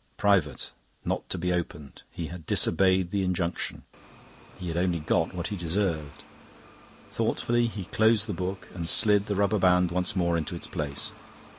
"Private. Not to be opened." He had disobeyed the injunction; he had only got what he deserved. Thoughtfully he closed the book, and slid the rubber band once more into its place.